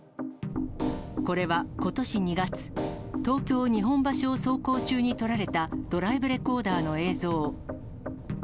これはことし２月、東京・日本橋を走行中に撮られたドライブレコーダーの映像。